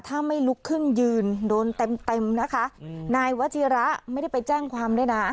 ถ้าไม่ลุกขึ้นยืนโดนเต็มเต็มนะคะนายวจิระไม่ได้ไปแจ้งความด้วยนะ